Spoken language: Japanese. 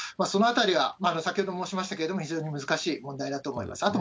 そのあたりは先ほども申しましたけれども、非常に難しい問題だと思います。